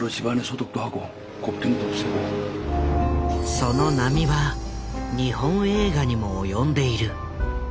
その波は日本映画にも及んでいる。